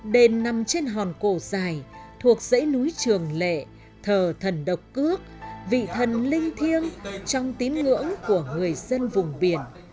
đền nằm trên hòn cổ dài thuộc dãy núi trường lệ thờ thần độc cước vị thần linh thiêng trong tín ngưỡng của người dân vùng biển